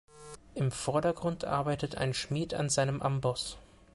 Im Vordergrund arbeitet ein Schmied an seinem Amboss.